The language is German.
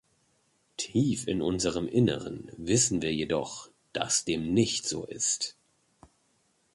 Tief in unserem Inneren wissen wir jedoch, das dem nicht so ist.